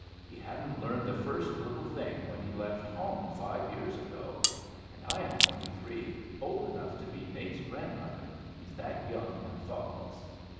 He hadn't learned the first little thing when he left home five years ago. And I am twenty three old enough to be Nate's grandmother, he's that young and thoughtless.